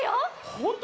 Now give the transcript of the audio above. ほんとだ！